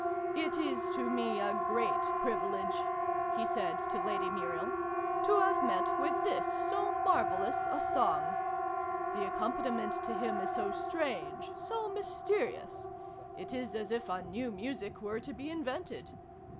" It is to me a great privilege," he said to Lady Muriel, " to have met with this so marvellous a song. The accompaniment to him is so strange, so mysterious : it is as if a new music were to be invented